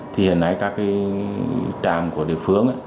thì hiện nay các cái trạm của địa phương